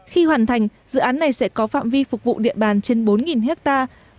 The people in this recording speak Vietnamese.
khi hoàn thành dự án này sẽ có phạm vi phục vụ địa bàn trên bốn hectare